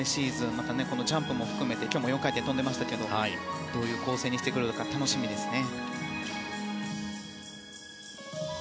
またこのジャンプも含めて今日も４回転跳んでましたけどどういう構成にしてくるのか楽しみですね。